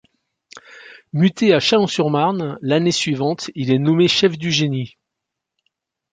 Muté à Châlons-sur-Marne l’année suivante, il est nommé chef du génie.